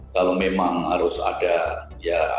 kalau memang harus ada ya